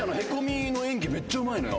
めっちゃうまいのよ。